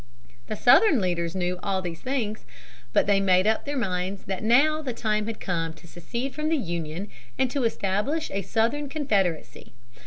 The Southern leaders knew all these things. But they made up their minds that now the time had come to secede from the Union and to establish a Southern Confederacy.